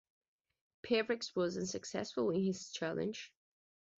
Pabriks was unsuccessful in his challenge.